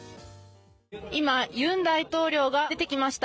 今、ユン大統領が出てきました。